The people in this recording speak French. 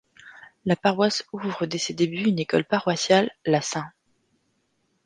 La paroisse ouvre dès ses débuts une école paroissiale, la St.